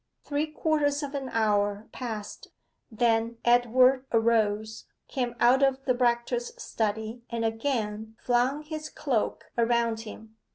Three quarters of an hour passed. Then Edward arose, came out of the rector's study and again flung his cloak around him.